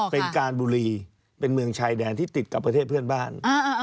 การบุรีเป็นเมืองชายแดนที่ติดกับประเทศเพื่อนบ้าน